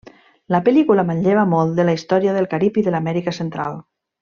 La pel·lícula manlleva molt de la història del Carib i de l'Amèrica Central.